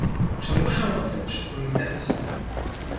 Czy muszę o tym przypominać?